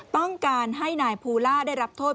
จะปิดฐานให้นายภูลาได้รับโทษ